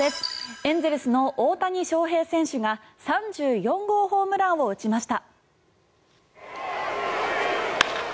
エンゼルスの大谷翔平選手が３４号ホームランを打ちました。